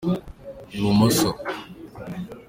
ibumoso.